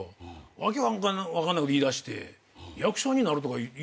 「訳分かんないこと言いだして役者になるとか言いだしてる」